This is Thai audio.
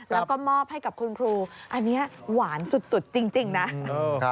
แล้วก็มอบให้กับคุณครูอันนี้หวานสุดจริงนะ